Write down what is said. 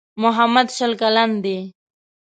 محمد شل کلن دی.